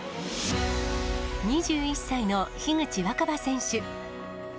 ２１歳の樋口新葉選手。